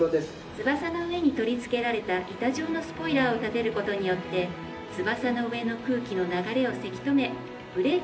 翼の上に取り付けられた板状のスポイラーを立てる事によって翼の上の空気の流れをせき止めブレーキの効果を高めます。